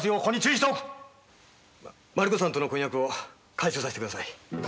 マリ子さんとの婚約を解消させてください。